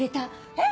えっ！